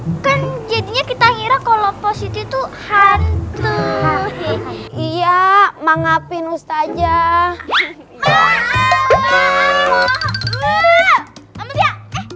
hai kan jadinya kita ngira kalau positif tuh hantu iya mangapin ustaz aja